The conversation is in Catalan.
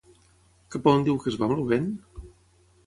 Cap a on diu que es va amb el vent?